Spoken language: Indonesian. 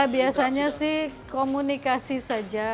biasanya sih komunikasi saja